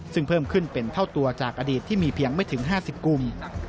ซึ่งเพิ่มขึ้นเป็นเท่าตัวจากอดีตที่มีเพียงไม่ถึง๕๐กลุ่ม